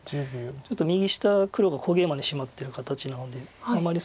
ちょっと右下黒が小ゲイマにシマってる形なのであまり